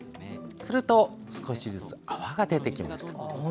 すると少しずつ泡が出てきました。